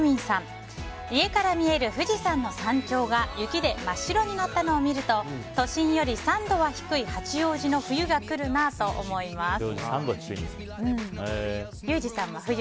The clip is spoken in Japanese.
家から見える富士山の山頂が雪で真っ白になったのを見ると都心より３度は低い八王子の冬が来るなと思います。